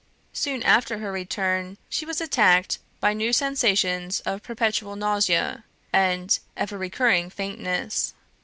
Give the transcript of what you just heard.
Soon after her return, she was attacked by new sensations of perpetual nausea, and ever recurring faintness.